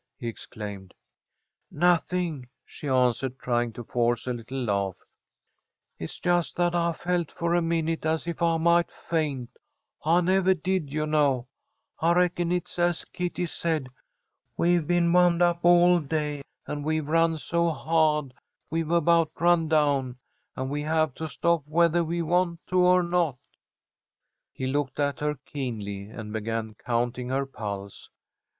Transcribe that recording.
he exclaimed. "Nothing," she answered, trying to force a little laugh. "It's just that I felt for a minute as if I might faint. I nevah did, you know. I reckon it's as Kitty said. We've been wound up all day, and we've run so hah'd we've about run down, and we have to stop whethah we want to or not." He looked at her keenly and began counting her pulse.